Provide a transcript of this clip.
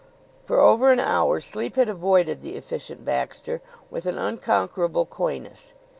For over an hour sleep had avoided the Efficient Baxter with an unconquerable coyness.